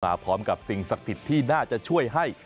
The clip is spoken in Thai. พร้อมกับสิ่งศักดิ์สิทธิ์ที่น่าจะช่วยให้